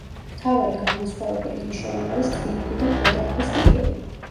მთავარი განმასხვავებელი ნიშანი არის კბილები და ქვედა ყბის კიდური.